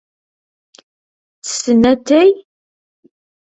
Ttessen atay?